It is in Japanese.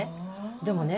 でもね